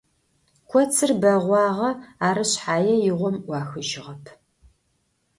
Kotsır beğuağe, arı şshaç'e yiğom 'uaxıjığep.